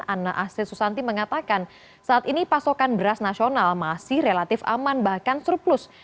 ana aset susanti mengatakan saat ini pasokan beras nasional masih relatif aman bahkan surplus